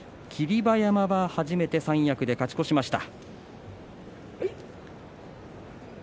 霧馬山は初めて三役で勝ち越しました。